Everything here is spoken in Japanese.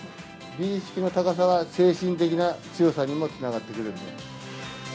美意識の高さは、精神的な強さにもつながってくるので。